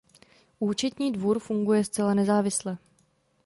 Účetní dvůr funguje zcela nezávisle.